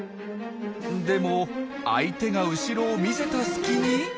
でも相手が後ろを見せた隙に。